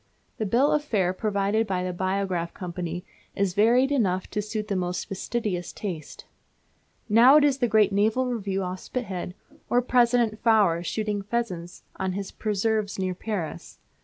The bill of fare provided by the Biograph Company is varied enough to suit the most fastidious taste. Now it is the great Naval Review off Spithead, or President Faure shooting pheasants on his preserves near Paris.